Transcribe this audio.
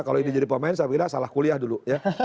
kalau ini jadi pemain saya kira salah kuliah dulu ya